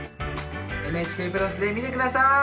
ＮＨＫプラスで見て下さい！